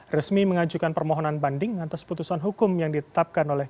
resmi mengajukan permohonan banding atas putusan hukum yang ditetapkan oleh